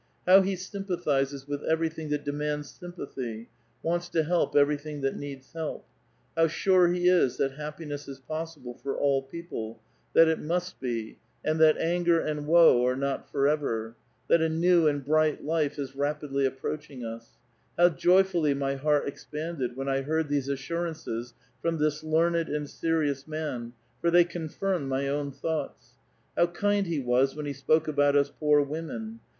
How he sym pathizes with everything that demands sympathy, wants to help everything that needs help ! How sure he is that happi ness is possible for all people, that it must be, and that anger and woe are not forever ; that a new and bright life is rapidly approaching us 1 How joyfully my heart expanded when I heard these assurances from this learned and serious man, for they confirmed my own thoughts. How kind he was when he spoke about us poor women